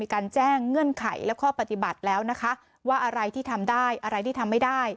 การแจ้งเงื่อนไขและข้อปฏิบัติแล้วนะคะว่าอะไรที่ทำได้อะไรที่ทำไม่ได้